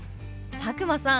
佐久間さん